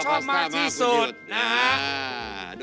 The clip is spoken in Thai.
พาสต้าชอบมากที่สุดนะฮะ